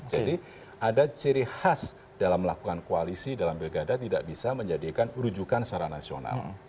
jadi ada ciri khas dalam melakukan koalisi dalam pilkada tidak bisa menjadikan rujukan secara nasional